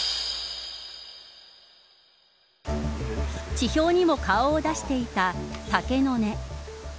地表にも顔を出していた竹の根。